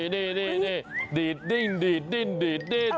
นี่ดีดดิ้นดีดดิ้นดีดดิ้น